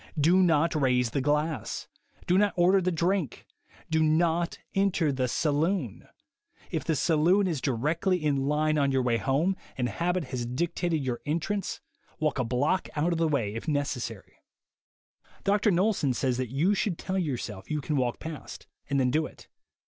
Do not raise the glass. Do not order the drink. Do not enter the saloon. If the saloon is directly in line on your way home, and habit has dictated your entrance, walk a block out of the way if necessary. Mr. Knowlson says that you should tell your self you can walk past, and then do it.